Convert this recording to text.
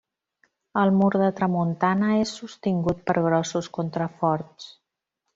El mur de tramuntana és sostingut per grossos contraforts.